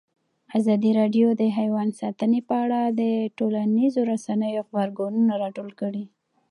ازادي راډیو د حیوان ساتنه په اړه د ټولنیزو رسنیو غبرګونونه راټول کړي.